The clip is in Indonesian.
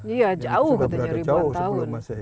iya jauh gitu ya